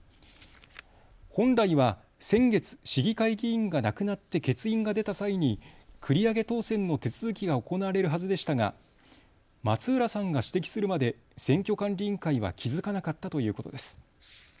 本来は先月、市議会議員が亡くなって欠員が出た際に繰り上げ当選の手続きが行われるはずでしたが松浦さんが指摘するまで選挙管理委員会は気付かなかったということです。